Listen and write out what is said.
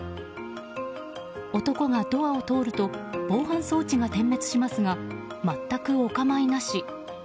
男がドアを通ると防犯装置が点滅しますが全くお構いなし。